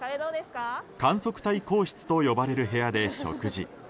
観測隊公室と呼ばれる部屋で食事。